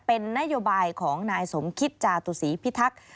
เป็นนโยบายของนายสมคิตจาตุศีพิทักษ์